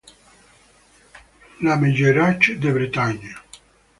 La Meilleraye-de-Bretagne